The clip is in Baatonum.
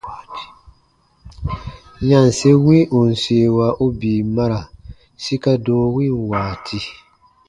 Yanse wi ù n seewa u bii mara sika doo win waati.